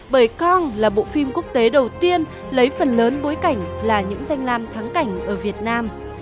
bởi cong là bộ phim quốc tế đầu tiên lấy phần lớn bối cảnh là những danh lam thắng cảnh ở việt nam